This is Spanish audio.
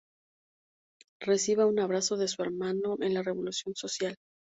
Reciba un abrazo de su hermano en la Revolución Social.